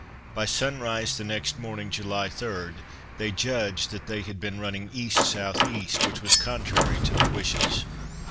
By sunrise the next morning, July 3, they judged that they had been running E. S. E. which was contrary to their wishes.